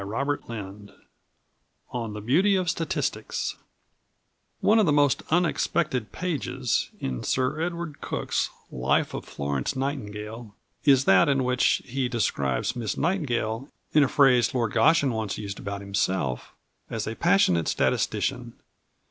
XXVIII ON THE BEAUTY OF STATISTICS One of the most unexpected pages in Sir Edward Cook's Life of Florence Nightingale, is that in which he describes Miss Nightingale, in a phrase Lord Goschen once used about himself, as a "passionate statistician."